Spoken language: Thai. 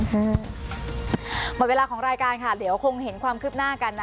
หมดเวลาของรายการค่ะเดี๋ยวคงเห็นความคืบหน้ากันนะ